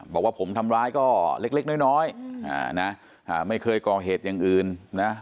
บอกว่าผมทำร้ายก็เล็กน้อยไม่เคยก่อเหตุอย่างอื่นนะ